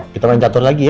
kita main catur lagi ya